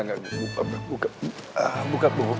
enggak enggak enggak